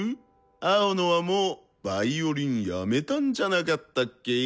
青野はもうヴァイオリンやめたんじゃなかったっけ？